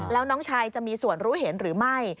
แล้วน้องชายจะมีส่วนรู้เห็นหรือไม่